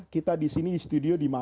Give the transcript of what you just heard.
kita disini di studio di malaya